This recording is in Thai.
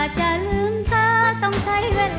๒จุดค่ะ